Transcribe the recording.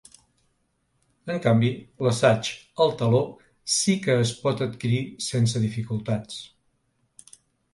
En canvi, l’assaig El teló sí que es pot adquirir sense dificultats.